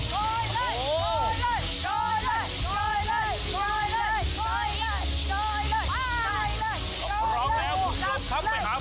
โกยเลยโกยเลยโกยเลย